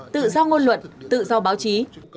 tự do ngôn luận tự do báo chí